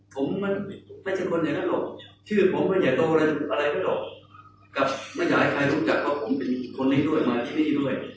ผมมันไม่ใช่คนอย่างนั้นหรอกชื่อผมมันอย่าโดนอะไรหรอกกับไม่อยากให้ใครรู้จักเพราะผมเป็นคนนี้ด้วยมาที่นี่ด้วย